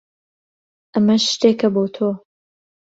ئەمە شتێکە بۆ تۆ.